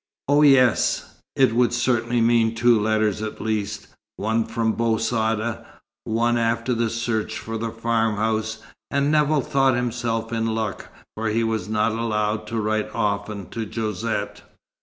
Oh yes, it would certainly mean two letters at least: one from Bou Saada, one after the search for the farmhouse; and Nevill thought himself in luck, for he was not allowed to write often to Josette.